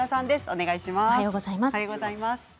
お願いします。